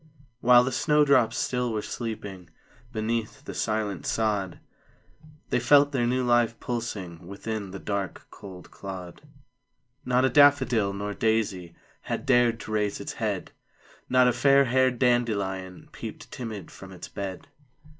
While the snow drops still were sleeping Beneath the silent sod; They felt their new life pulsing Within the dark, cold clod. Not a daffodil nor daisy Had dared to raise its head; Not a fairhaired dandelion Peeped timid from its bed; THE CROCUSES.